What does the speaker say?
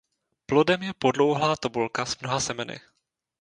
Plodem je podlouhlá tobolka s mnoha semeny.